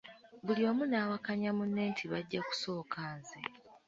Buli omu nawakanya munne nti bajja kusooka nze.